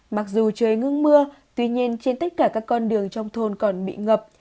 mặc dù trời ngưng mưa tuy nhiên trên tất cả các con đường trong thôn còn bị ngập